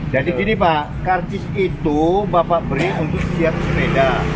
jadi gini pak kajis itu bapak beri untuk siap sepeda